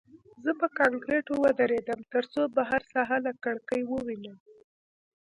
زه په کانکریټو ودرېدم ترڅو بهر ساحه له کړکۍ ووینم